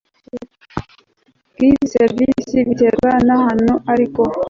bw izi serivise biterwa n ahantu ariko